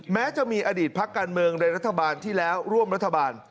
แม้จะมีอดีตพักการเมืองในรัฐบาลที่แล้วร่วมรัฐบาล